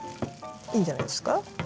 いいんじゃないですか。